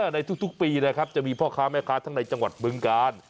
ในทุกปีนะครับจะมีพ่อค้าแม่ค้าทั้งในจังหวัดบึงกาล